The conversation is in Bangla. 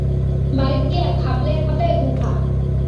বাড়িত গিয়া খাবলাইয়া-খাবলাইয়া গু খা।